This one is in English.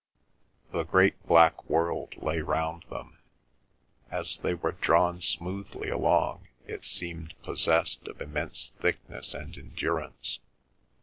The great black world lay round them. As they were drawn smoothly along it seemed possessed of immense thickness and endurance.